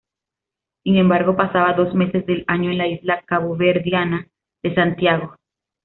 Sin embargo, pasaba dos meses del año en la isla caboverdiana de Santiago.